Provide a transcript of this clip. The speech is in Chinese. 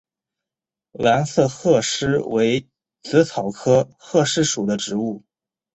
蓝刺鹤虱为紫草科鹤虱属的植物。